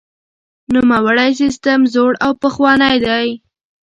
نوموړی سیستم زوړ او پخوانی دی.